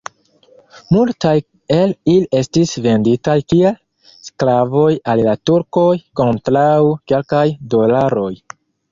Multaj el ili estis venditaj kiel sklavoj al la turkoj kontraŭ kelkaj dolaroj.